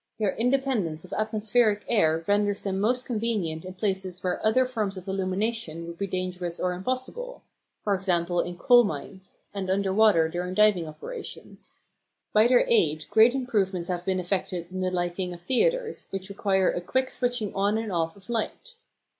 Their independence of atmospheric air renders them most convenient in places where other forms of illumination would be dangerous or impossible; e.g. in coal mines, and under water during diving operations. By their aid great improvements have been effected in the lighting of theatres, which require a quick switching on and off of light.